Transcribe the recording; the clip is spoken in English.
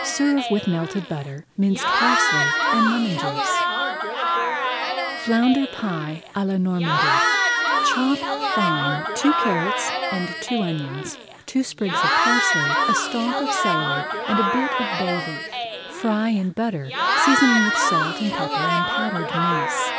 Serve with melted butter, minced parsley, and lemon juice. [Page 149] FLOUNDER PIE À LA NORMANDY Chop fine two carrots and two onions, two sprigs of parsley, a stalk of celery and a bit of bay leaf. Fry in butter, seasoning with salt and pepper, and powdered mace.